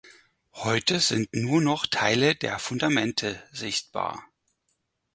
Heute sind nur noch Teile der Fundamente sichtbar.